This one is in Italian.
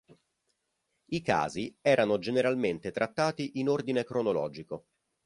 I casi erano generalmente trattati in ordine cronologico.